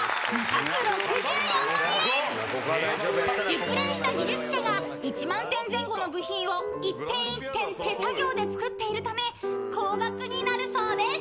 ［熟練した技術者が１万点前後の部品を一点一点手作業で作っているため高額になるそうです］